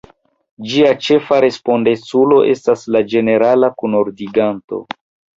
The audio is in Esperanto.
Ĝia ĉefa respondeculo estas la Ĝenerala Kunordiganto.